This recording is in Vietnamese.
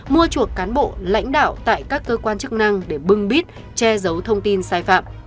mua chuộc cán bộ lãnh đạo tại các cơ quan chức năng để bưng bít che giấu thông tin sai phạm